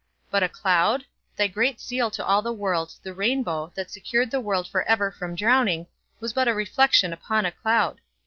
But a cloud? Thy great seal to all the world, the rainbow, that secured the world for ever from drowning, was but a reflection upon a cloud.